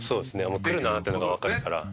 もう来るなっていうのがわかるから。